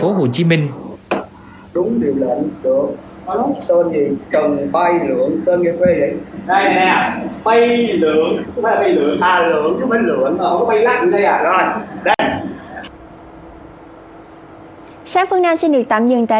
học tên gì cần bay lưỡng tên kia phê đấy